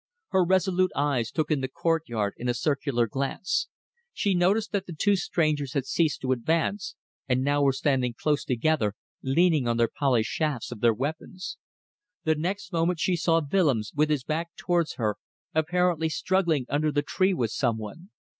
Her resolute eyes took in the courtyard in a circular glance. She noticed that the two strangers had ceased to advance and now were standing close together leaning on the polished shafts of their weapons. The next moment she saw Willems, with his back towards her, apparently struggling under the tree with some one.